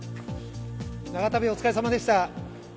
長旅お疲れさまでした。